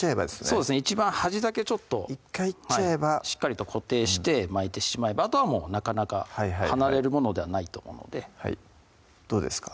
そうですね一番端だけちょっと１回いっちゃえばしっかり固定して巻いてしまえばあとはもうなかなか離れるものではないと思うのでどうですか？